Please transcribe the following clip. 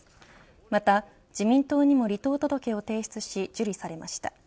また自民党にも離党届を提出し受理されました。